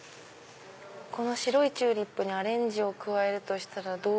白いチューリップにアレンジを加えるとしたらどう。